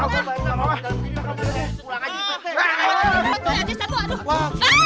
ya tapi beneran